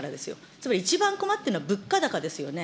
つまり一番困っているのは物価高ですよね。